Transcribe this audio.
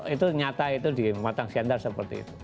itu nyata di pematang siantar seperti itu